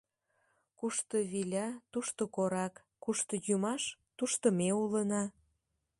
Кушто виля, тушто корак, кушто йӱмаш, тушто ме улына.